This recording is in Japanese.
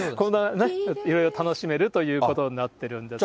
いろいろ楽しめるということになってるんですね。